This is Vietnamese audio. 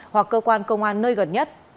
hoặc cơ quan công an nơi gần nhất